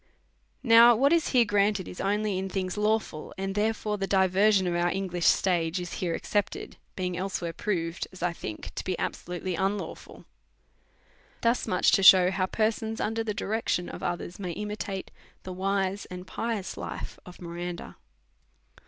Now what is here granted is only in things lawful, and therefore the diversion of our English stage is here excepted, being elsewhere proved, as I think, to be absolutely unlawful. Thus much to shew how persons under the direc tion of others may imitate the wise and pious life of Miranda.